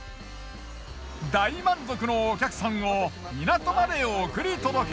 大満足のお客さんを港まで送り届け。